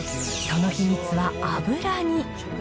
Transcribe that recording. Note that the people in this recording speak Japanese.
その秘密は油に。